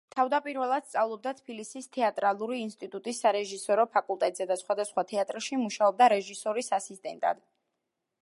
თავდაპირველად სწავლობდა თბილისის თეატრალური ინსტიტუტის სარეჟისორო ფაკულტეტზე და სხვადასხვა თეატრში მუშაობდა რეჟისორის ასისტენტად.